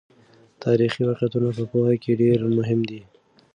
تاریخي واقعیتونه په پوهه کې ډېر مهم دي.